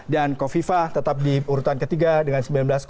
dan kofifa tetap di urutan ketiga dengan sembilan belas sebelas